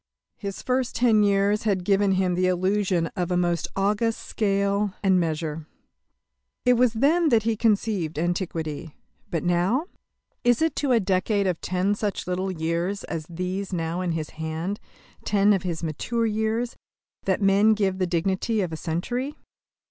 His first ten years had given him the illusion of a most august scale and measure. It was then that he conceived Antiquity. But now! Is it to a decade of ten such little years as these now in his hand ten of his mature years that men give the dignity of a century?